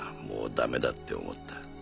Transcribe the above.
もうダメだって思った。